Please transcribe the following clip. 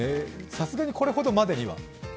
さすがにこれほどまでには。